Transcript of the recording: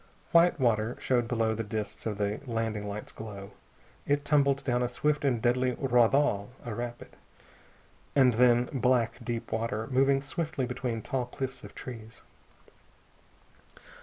White water showed below in the disks of the landing lights' glow. It tumbled down a swift and deadly raudal a rapid. And then black, deep water, moving swiftly between tall cliffs of trees.